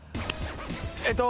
えっと。